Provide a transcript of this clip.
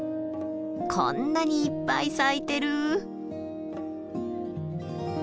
こんなにいっぱい咲いている！